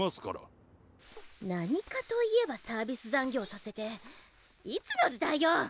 何かといえばサービス残業させていつの時代よ！？